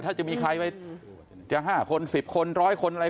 ถ้าจะมีใครไปจะ๕คน๑๐คน๑๐๐คนอะไร